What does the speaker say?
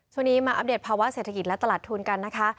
ช่วงนี้มาอัปเดตภาวะเศรษฐกิจและตลาดทุนกันนะคะ